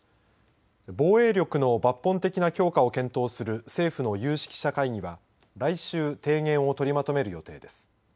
防衛力の抜本的な強化を検討する政府の有識者会議は来週提言を取りまとめる予定です。